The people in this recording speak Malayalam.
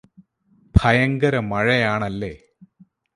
ഭയങ്കര മഴയാണല്ലേ?